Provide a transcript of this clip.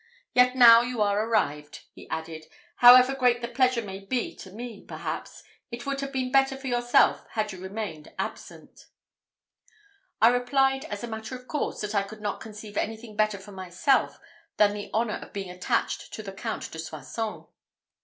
Yet now you are arrived," he added, "however great the pleasure may be to me, perhaps it would have been better for yourself had you remained absent." I replied, as a matter of course, that I could not conceive anything better for myself, than the honour of being attached to the Count de Soissons.